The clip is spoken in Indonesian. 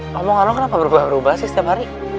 ngomongan lo kenapa berubah berubah sih setiap hari